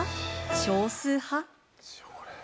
少数派？